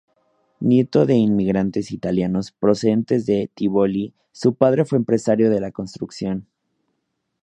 Nieto de inmigrantes italianos procedentes de Tivoli, su padre fue empresario de la construcción.